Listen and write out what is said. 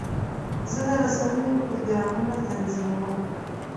زه د رسنیو پروګرامونه تنظیموم.